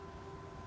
kita akan lihat